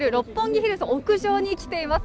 ヒルズ屋上に来ています。